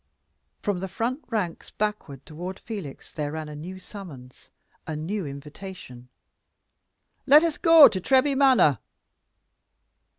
From the front ranks backward toward Felix there ran a new summons a new invitation. "Let us go to Treby Manor!"